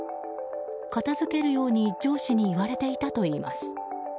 片づけるように上司に言われていたといいます。